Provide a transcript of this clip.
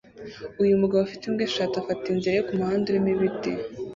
Uyu mugabo ufite imbwa eshatu afata inzira ye kumuhanda urimo ibiti